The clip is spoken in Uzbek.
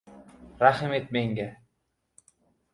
— Rahm et menga